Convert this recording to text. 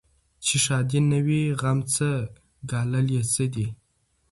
چي ښادي نه وي غم څه ګالل یې څه دي